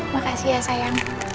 makasih ya sayang